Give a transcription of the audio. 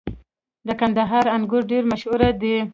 • د کندهار انګور ډېر مشهور دي.